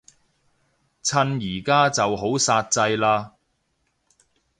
趁而家就好煞掣嘞